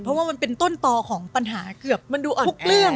เพราะว่ามันเป็นต้นต่อของปัญหาเกือบทุกเรื่อง